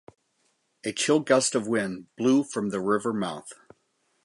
A chill gust of wind blew from the river mouth.